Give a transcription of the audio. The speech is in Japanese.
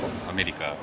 アメリカ。